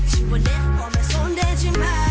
siwaneh omes ondejima